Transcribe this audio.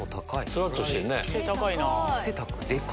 すらっとしてるね。